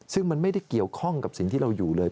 ซึ่งมันไม่ได้เกี่ยวข้องกับสิ่งที่เราอยู่เลย